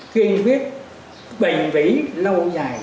khuyên quyết bình vĩ lâu dài